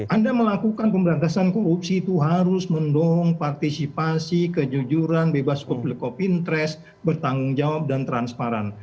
anda melakukan pemberantasan korupsi itu harus mendongong partisipasi kejujuran bebas publik pinteres bertanggung jawab dan transparan